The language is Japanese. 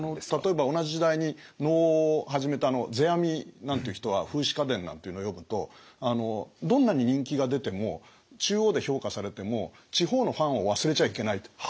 例えば同じ時代に能を始めた世阿弥なんていう人は「風姿花伝」なんていうのを読むとどんなに人気が出ても中央で評価されても地方のファンを忘れちゃいけないって。